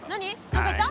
何か言った？